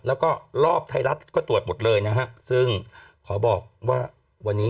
แล้วก็รอบไทยรัฐก็ตรวจหมดเลยนะฮะซึ่งขอบอกว่าวันนี้